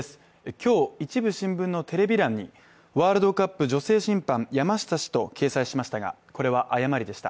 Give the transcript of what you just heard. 今日、一部新聞のテレビ欄に「ワールドカップ女性審判山下氏」と掲載しましたがこれは誤りでした。